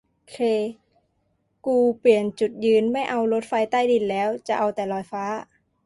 เคร กรูเปลี่ยนจุดยืน ไม่เอารถไฟใต้ดินแล้ว จะเอาแต่ลอยฟ้า